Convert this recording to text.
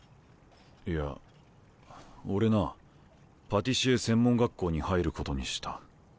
いや俺なパティシエ専門学校に入ることにした。